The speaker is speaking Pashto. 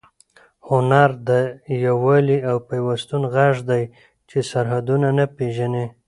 هنر د یووالي او پیوستون غږ دی چې سرحدونه نه پېژني.